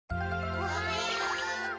おはよう！